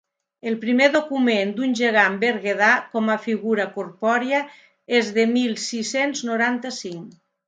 El primer document d'un gegant berguedà com a figura corpòria és de mil sis-cents noranta-cinc.